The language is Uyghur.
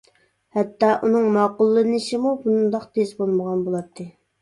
ھەتتا، ئۇنىڭ ماقۇللىنىشىمۇ بۇنداق تېز بولمىغان بولاتتى.